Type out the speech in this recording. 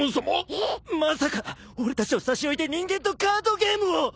まさか俺たちを差し置いて人間とカードゲームを！？